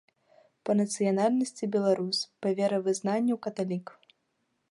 Па нацыянальнасці беларус, па веравызнанню каталік.